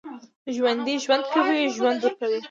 ژوندي ژوند کوي، ژوند ورکوي